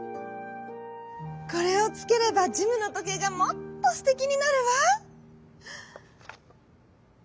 「これをつければジムのとけいがもっとすてきになるわ」。